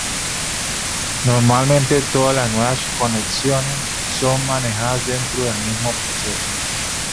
Normalmente, todas las nuevas conexiones son manejadas dentro del mismo proceso.